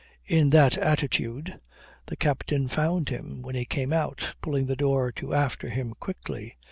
In that attitude the captain found him, when he came out, pulling the door to after him quickly.